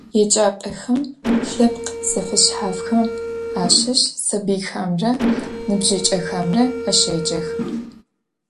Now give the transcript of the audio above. Еджапӏэхэм лъэпкъ зэфэшъхьафхэм ащыщ сабыйхэмрэ ныбжьыкӏэхэмрэ ащеджэх.